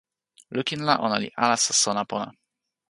lukin la, ona li alasa sona pona.